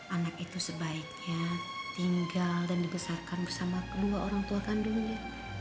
anak itu sebaiknya tinggal dan dibesarkan bersama kedua orang tua kandungnya